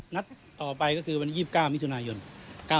รถนัดต่อไปคือวันนี้๒๙มิถุนายน๙โมงนะครับ